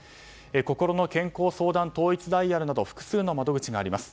こころの健康相談統一ダイヤルなど複数の窓口があります。